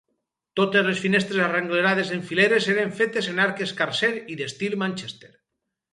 Totes les finestres arrenglerades en fileres eren fetes en arc escarser i d'estil Manchester.